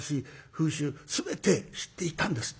風習全て知っていたんですって。